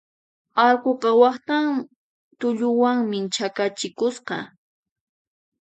Allquqa waqtan tulluwanmi chakachikusqa.